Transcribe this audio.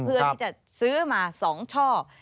เพื่อที่จะซื้อมา๒ช่อ